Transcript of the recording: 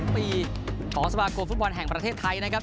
๒ปีของสมาคมฟุตบอลแห่งประเทศไทยนะครับ